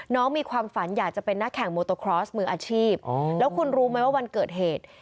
มีความฝันอยากจะเป็นนักแข่งโมโตครอสมืออาชีพแล้วคุณรู้ไหมว่าวันเกิดเหตุ